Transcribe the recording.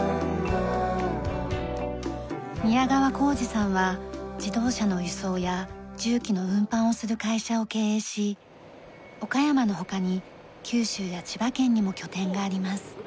宮川光治さんは自動車の輸送や重機の運搬をする会社を経営し岡山の他に九州や千葉県にも拠点があります。